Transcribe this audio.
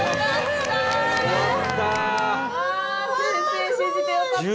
先生信じてよかった。